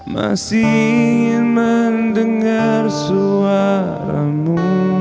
masih ingin mendengar suaramu